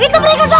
itu mereka sob